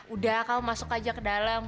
udah kamu masuk aja ke dalam